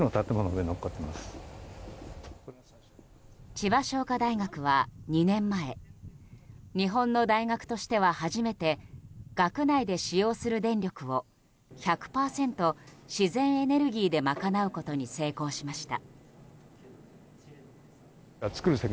千葉商科大学は２年前日本の大学としては初めて学内で使用する電力を１００％、自然エネルギーで賄うことに成功しました。